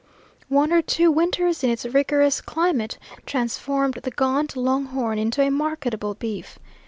One or two winters in its rigorous climate transformed the gaunt long horn into a marketable beef.